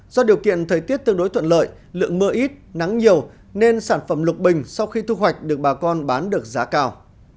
do điều kiện thời tiết tương đối thuận lợi lượng mưa ít nắng nhiều nên sản phẩm lục bình sau khi thu hoạch được bà con bán được giá cao